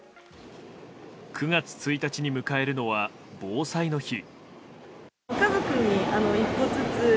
９月１日に迎えるのは防災の日。